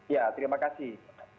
ya terima kasih